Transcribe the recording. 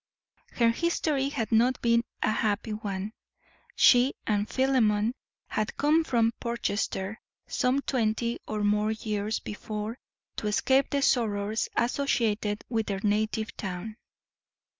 Her history had not been a happy one. She and Philemon had come from Portchester some twenty or more years before to escape the sorrows associated with their native town.